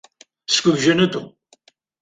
Сгәыбжьанытәыуп.